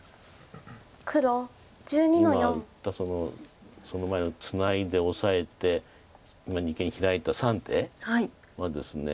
今打ったその前のツナいでオサえて今二間ヒラいた３手はですね